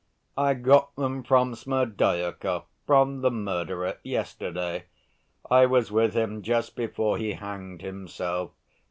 "I got them from Smerdyakov, from the murderer, yesterday.... I was with him just before he hanged himself.